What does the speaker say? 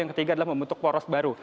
yang ketiga adalah membentuk poros baru